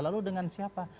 lalu dengan siapa